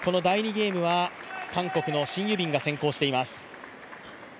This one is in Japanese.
ゲームは韓国のシン・ユビンが先行しています。